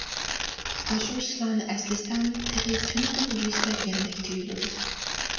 ئاشۇ ئىشلارنى ئەسلىسەم، تېخى تۈنۈگۈنلا يۈز بەرگەندەك تۇيۇلىدۇ.